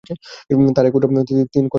তার এক পুত্র, তিন কন্যা সন্তান রয়েছে।